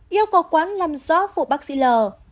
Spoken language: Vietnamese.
yêu cầu quán làm rõ vụ bác sĩ l